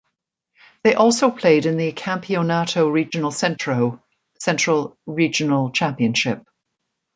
They also played in the Campeonato Regional Centro (Central Regional Championship).